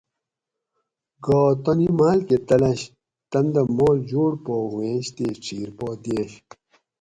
گھاۤ تانی مال کہ تلنش تن دہ مال جوڑ پا ہُوئینش تے ڄِھیر پا دِئینش